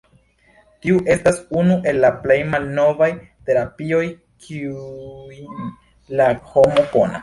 Tiu estas unu el la plej malnovaj terapioj, kiujn la homo konas.